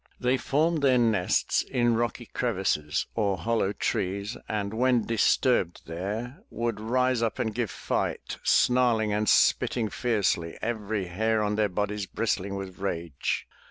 They formed their nests in rocky crevices or hollow trees and when disturbed there, would rise up and give fight, snarling and spitting fiercely, every hair on their bodies bristling with rage.